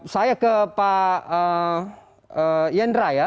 saya ke pak yendra ya